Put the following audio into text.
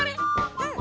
うん。